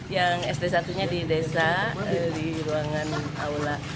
yang sd satu nya di desa di ruangan aula